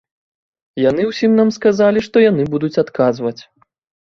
Яны ўсім нам сказалі, што яны будуць адказваць.